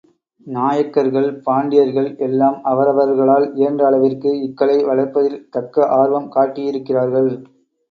நாயக்கர்கள், பாண்டியர்கள் எல்லாம் அவரவர்களால் இயன்ற அளவிற்கு இக்கலை வளர்ப்பதில் தக்க ஆர்வம் காட்டியிருக்கிறார்கள்.